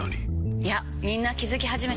いやみんな気付き始めてます。